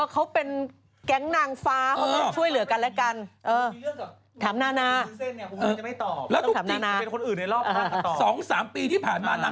ก็ต้องมาตอบคำถามแทนเพื่อนเกียรติว่านางเก่า